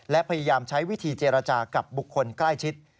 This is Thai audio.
และพยายามใช้วิธีเจรจากับบุคคลใกล้ชิด